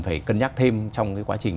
phải cân nhắc thêm trong cái quá trình